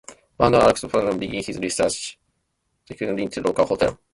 Burnt out, Alex halfheartedly begins his search, checking into a local hotel.